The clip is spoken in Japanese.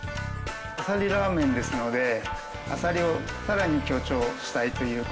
あさりラーメンですのであさりをさらに強調したいという事で。